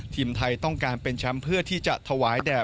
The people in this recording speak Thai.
ทีมไทยต้องการเป็นแชมป์เพื่อที่จะถวายแด่